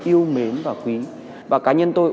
yêu mến và quý và cá nhân tôi